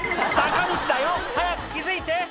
坂道だよ早く気付いて！